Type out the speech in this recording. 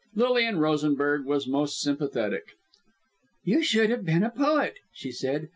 Lilian Rosenberg was most sympathetic. "You should have been a poet," she said.